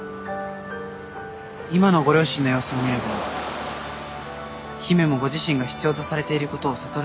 今のご両親の様子を見れば姫もご自身が必要とされていることを悟るでしょう。